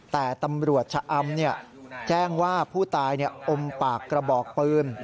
แต่ตำรวจชะอำแจ้งว่าผู้ตายอมปากกระบอกปืน